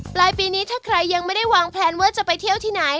ปลายปีนี้ถ้าใครยังไม่ได้วางแพลนว่าจะไปเที่ยวที่ไหน